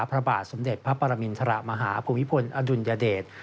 พระบาทสมเด็จพระปรมินทรมาฮภูมิพลอดุลยเดช